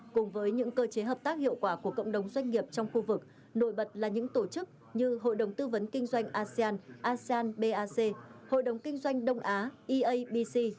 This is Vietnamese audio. cùng với những cơ chế hợp tác hiệu quả của cộng đồng doanh nghiệp trong khu vực nội bật là những tổ chức như hội đồng tư vấn kinh doanh asean asean bac hội đồng kinh doanh đông á eabc